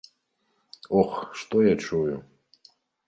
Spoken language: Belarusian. Ох, што я чую.